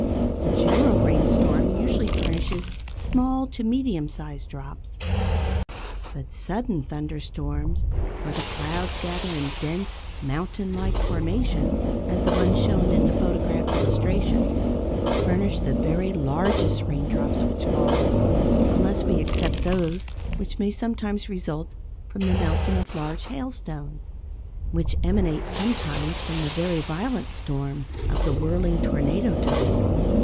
The general rain storm usually furnishes small to medium sized drops. But sudden thunder storms, where the clouds gather in dense, mountain like formations, as the one shown in the photographed illustration, furnish the very largest raindrops which fall, unless we except those which may sometimes result from the melting of large hailstones, which emanate sometimes from very violent storms of the whirling, tornado type.